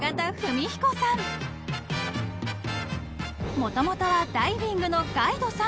［もともとはダイビングのガイドさん］